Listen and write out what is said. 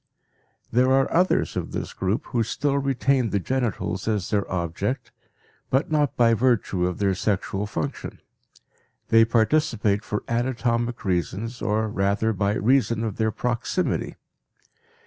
There are others of this group who still retain the genitals as their object, but not by virtue of their sexual function; they participate for anatomic reasons or rather by reason of their proximity.